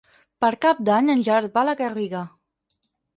Per Cap d'Any en Gerard va a la Garriga.